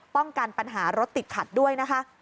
ป้องกันปัญหารถติดขัดด้วยนะคะ